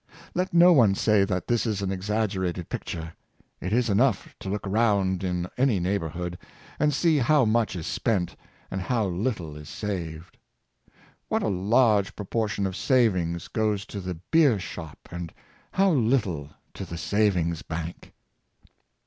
Let no one say that this is an exag gerated picture. It is enough to look round in any neighborhood, and see how much is spent and how lit 406 Poverty and Pauperism. tie is saved; what a large proportion of savings goes to the beer shop, and how little to the savings bank.